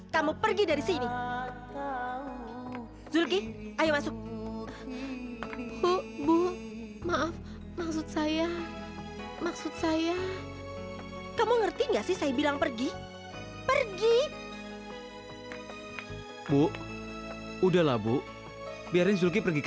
sampai jumpa di video selanjutnya